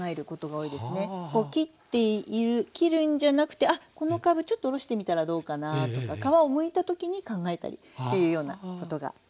こう切っている切るんじゃなくてあっこのかぶちょっとおろしてみたらどうかなとか皮をむいた時に考えたりっていうようなことが多いです。